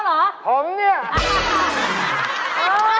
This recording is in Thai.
ผมเนี่ย